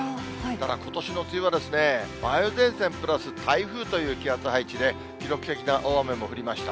ことしの梅雨は梅雨前線プラス台風という気圧配置で、記録的な大雨も降りました。